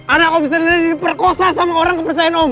anak om sendiri diperkosa sama orang yang percaya om